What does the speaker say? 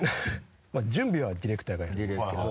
準備はディレクターがやってくれるんですけど。